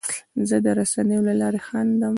زه د رسنیو له لارې خندم.